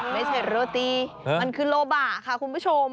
ไม่ใช่โรตีมันคือโลบ่าค่ะคุณผู้ชม